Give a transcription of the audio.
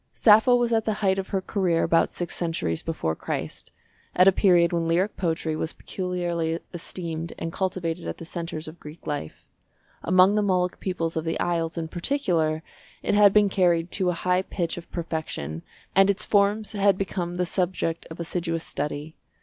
Sappho was at the height of her career about six centuries before Christ, at a period when lyric poetry was peculiarly esteemed and cultivated at the centres of Greek life. Among the Molic peoples of the Isles, in particular, it had been carried to a high pitch of perfection, and its forms had become the subject of assiduous study.